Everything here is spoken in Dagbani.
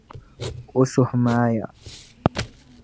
O suhu maaya.